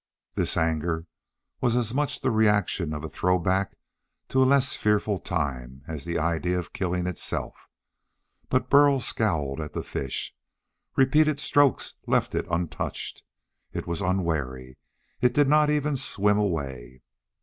This anger was as much the reaction of a throw back to a less fearful time as the idea of killing itself. But Burl scowled at the fish. Repeated strokes had left it untouched. It was unwary. It did not even swim away.